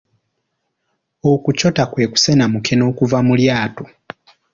Okucota kwe kusena mukene okuva mu lyato.